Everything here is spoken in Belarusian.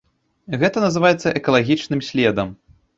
Гэта называецца экалагічным следам.